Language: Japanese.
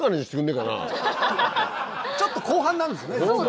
ちょっと後半なんですよね実は。